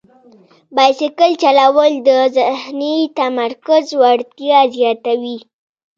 بایسکل چلول د ذهني تمرکز وړتیا زیاتوي.